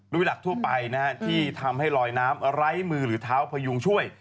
โดยหลักทั่วไปที่ทำให้ลอยน้ำไร้มือหรือเท้าพยุงช่วย